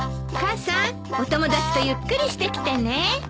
母さんお友達とゆっくりしてきてね。